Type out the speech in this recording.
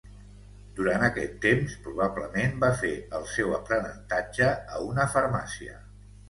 Durant aquest temps, probablement va fer el seu aprenentatge a una farmàcia.